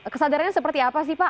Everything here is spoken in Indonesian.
kesadarannya seperti apa sih pak